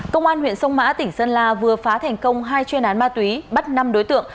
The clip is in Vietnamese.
công an huyện sông mã tỉnh sơn la vừa phá thành công hai chuyên án ma túy bắt năm đối tượng